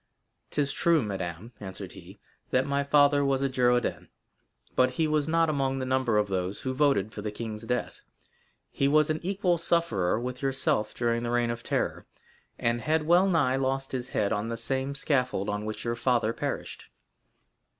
"'Tis true, madame," answered he, "that my father was a Girondin, but he was not among the number of those who voted for the king's death; he was an equal sufferer with yourself during the Reign of Terror, and had well nigh lost his head on the same scaffold on which your father perished."